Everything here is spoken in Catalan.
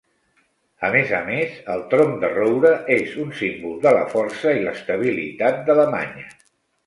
A més a més, el tronc de roure és un símbol de la força i l'estabilitat d'Alemanya.